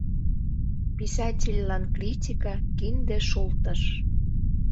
Писательлан критика — кинде шултыш.